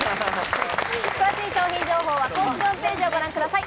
詳しい商品情報は公式ホームページをご覧ください。